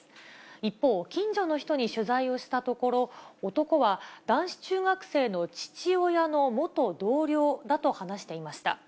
一方、近所の人に取材をしたところ、男は男子中学生の父親の元同僚だと話していました。